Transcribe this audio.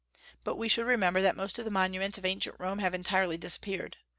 But we should remember that most of the monuments of ancient Rome have entirely disappeared.